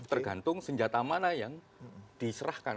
tergantung senjata mana yang diserahkan